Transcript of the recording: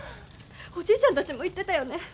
おじいちゃんたちも言ってたよね。